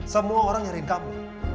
semua orang nyariin kamu